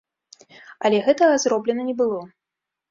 Але гэтага зроблена не было.